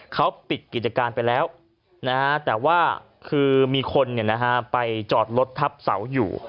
เขาปิดกิจการไปแล้วแต่ว่าคือมีคนไปจอดรถทับเสาอยู่